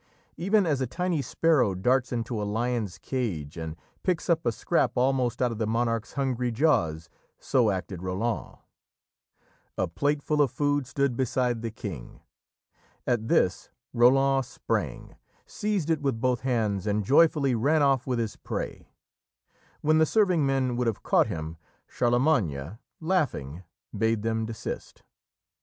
Even as a tiny sparrow darts into a lion's cage and picks up a scrap almost out of the monarch's hungry jaws, so acted Roland. A plateful of food stood beside the King. At this Roland sprang, seized it with both hands, and joyfully ran off with his prey. When the serving men would have caught him, Charlemagne, laughing, bade them desist.